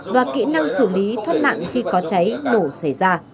và kỹ năng xử lý thoát nạn khi có cháy nổ xảy ra